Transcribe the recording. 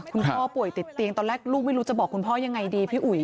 พ่อป่วยติดเตียงตอนแรกลูกไม่รู้จะบอกคุณพ่อยังไงดีพี่อุ๋ย